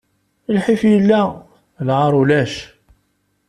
Lḥif illa, lɛaṛ ulac.